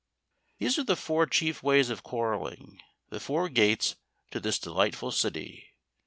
These are the four chief ways of quarrelling, the four gates to this delightful city.